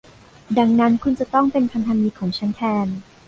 ดังนั้นคุณจะต้องเป็นพันธมิตรของฉันแทน